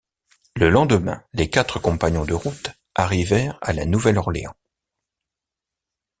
Le lendemain, les quatre compagnons de route arrivèrent à La Nouvelle-Orléans.